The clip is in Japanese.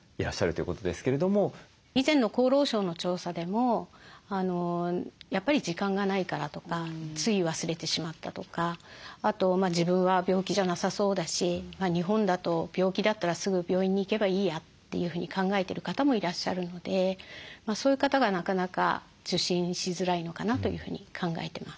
以前の厚労省の調査でもやっぱり時間がないからとかつい忘れてしまったとかあと自分は病気じゃなさそうだし日本だと病気だったらすぐ病院に行けばいいやというふうに考えてる方もいらっしゃるのでそういう方がなかなか受診しづらいのかなというふうに考えてます。